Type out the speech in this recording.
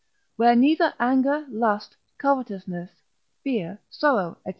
Where neither anger, lust, covetousness, fear, sorrow, &c.